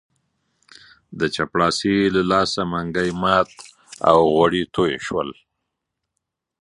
د چپړاسي له لاسه منګی مات او غوړي توی شول.